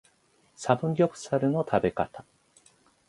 サムギョプサルの食べ方